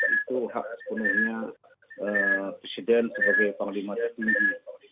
itu hak sepenuhnya presiden sebagai panglima tertinggi